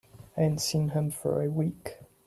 I ain't seen him for a week.